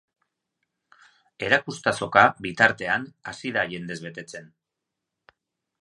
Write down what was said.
Erakustazoka, bitartean, hasi da jendez betetzen.